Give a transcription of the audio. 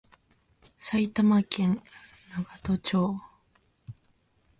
埼玉県長瀞町